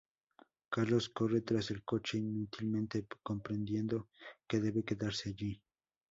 Carlos corre tras el coche inútilmente, comprendiendo que debe quedarse allí.